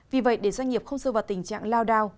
vì vậy để doanh nghiệp không rơi vào tình trạng lao đao